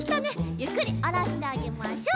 ゆっくりおろしてあげましょう。